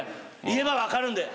言えば分かるんで。